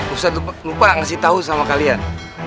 usah lupa ngasih tahu sama kalian